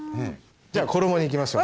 じゃあ衣にいきましょう。